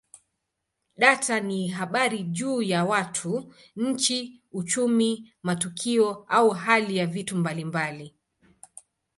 Data ni habari juu ya watu, nchi, uchumi, matukio au hali ya vitu mbalimbali.